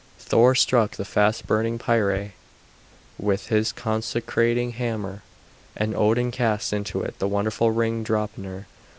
Thor struck the fast burning pyre with his consecrating hammer, and Odin cast into it the wonderful ring Draupner.